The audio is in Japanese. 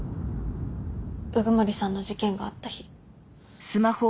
鵜久森さんの事件があった日。